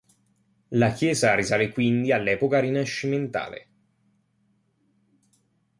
La chiesa risale quindi all'epoca rinascimentale.